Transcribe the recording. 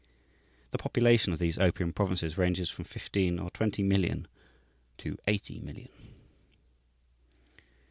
The population of these opium provinces ranges from fifteen or twenty million to eighty million.